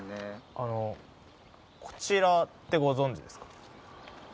あのこちらってご存じですか？